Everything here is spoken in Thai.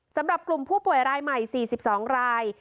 สำหรับกลุ่มผู้ป่วยรายใหม่สี่สิบสองราย